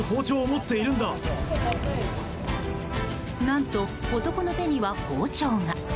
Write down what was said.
何と、男の手には包丁が。